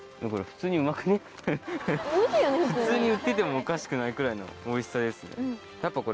普通に売っててもおかしくないくらいのおいしさですね。